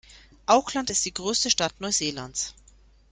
Auckland ist die größte Stadt Neuseelands.